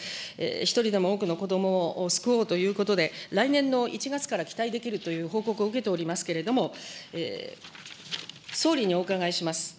一人でも多くの子どもを救おうということで、来年の１月から期待できるという報告を受けておりますけれども、総理にお伺いします。